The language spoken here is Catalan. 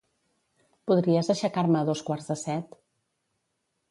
Podries aixecar-me a dos quarts de set?